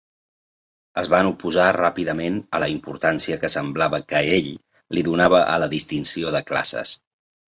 Es van oposar ràpidament a la importància que semblava que ell li donava a la distinció de classes.